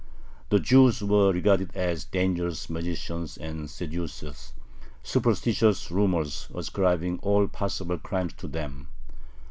The Jews were regarded as dangerous magicians and seducers, superstitious rumors ascribing all possible crimes to them.